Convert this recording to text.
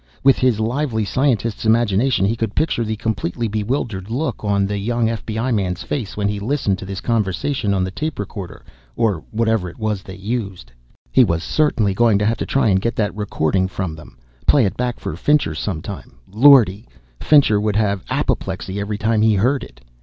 With his lively scientist's imagination he could picture the completely bewildered look on the young FBI man's face when he listened to this conversation on the tape recorder or whatever it was they used. He was certainly going to have to try to get that recording from them. Play it back for Fincher some time Lordy, Fincher would have apoplexy every time he heard it!